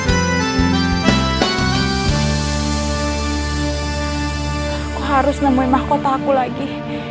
aku harus nemuin mahkota aku lagi